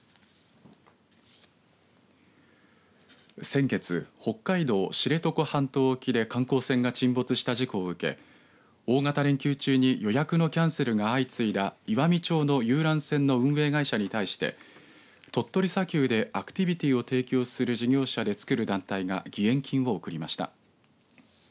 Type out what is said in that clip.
先月、北海道・知床半島沖で観光船が沈没した事故を受け大型連休中に予約のキャンセルが相次いだ岩美町の遊覧船の運営会社に対して鳥取砂丘でアクティビティーを提供する事業者で作る団体が義援金を贈りました。